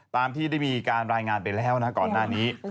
ตามที่ได้มีการรายงานไปแล้วนะก่อนหน้านี้